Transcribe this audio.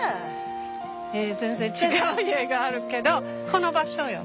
全然違う家があるけどこの場所よ。